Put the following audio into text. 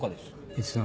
いつの？